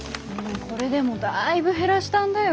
これでもだいぶ減らしたんだよ。